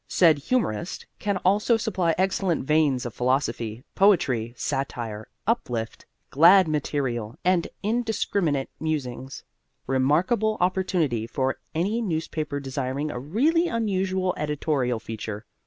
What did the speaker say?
Said Humorist can also supply excellent veins of philosophy, poetry, satire, uplift, glad material and indiscriminate musings. Remarkable opportunity for any newspaper desiring a really unusual editorial feature.